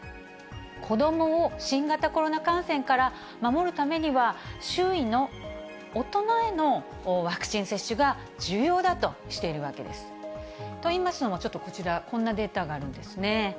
子どもを新型コロナ感染から守るためには、周囲の大人へのワクチン接種が重要だとしているわけです。といいますのも、ちょっとこちら、こんなデータがあるんですね。